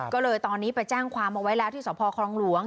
ก็เลยตอนนี้ไปแจ้งความเอาไว้แล้วที่สพครองหลวง